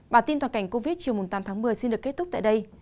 bản tin toàn cảnh covid chiều tám tháng một mươi xin được kết thúc tại đây